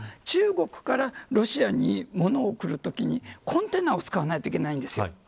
中国からロシアに物を送るときにコンテナを使わないといけないんです。